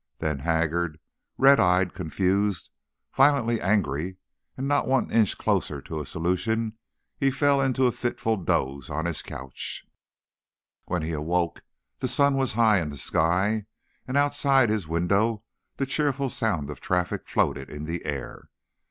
Then, haggard, red eyed, confused, violently angry, and not one inch closer to a solution, he fell into a fitful doze on his couch. When he awoke the sun was high in the sky, and outside his window the cheerful sound of traffic floated in the air.